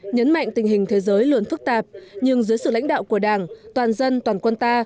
nhấn mạnh tình hình thế giới luôn phức tạp nhưng dưới sự lãnh đạo của đảng toàn dân toàn quân ta